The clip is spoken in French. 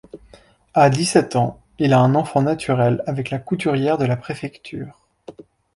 À dix-sept ans, il a un enfant naturel avec la couturière de la préfecture.